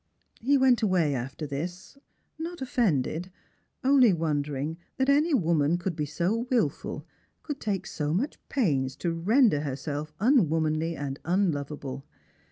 He went away after this, not offended, only wor.dering that any woman could be so wilful, could take so much j^ains to render herself unwomanly and unloval)le.